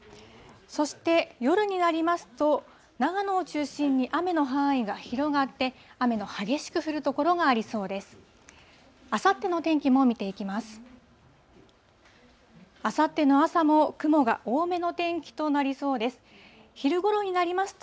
そして、夜になりますと、長野を中心に雨の範囲が広がって、雨の激しく降る所がありそうです。